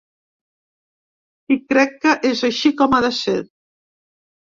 I crec que és així com ha de ser.